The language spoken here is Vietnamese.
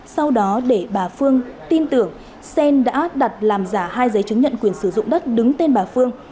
sau đó để bà phương tin tưởng xen đã đặt làm giả hai giấy chứng nhận quyền sử dụng đất đứng tên bà phương